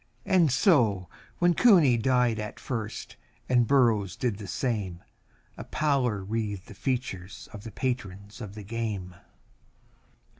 And so, when Cooney died at first, and Burrows did the same, A pallor wreathed the features of the patrons of the game.